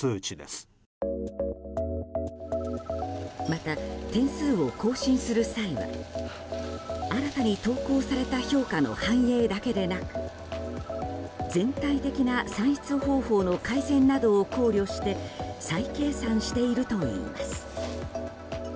また点数を更新する際は新たに投稿された評価の反映だけでなく全体的な算出方法の改善などを考慮して再計算しているといいます。